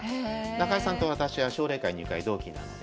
中井さんと私は奨励会入会同期なので。